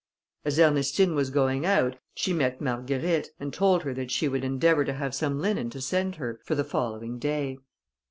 As Ernestine was going out, she met Marguerite, and told her that she would endeavour to have some linen to send her, for the following day.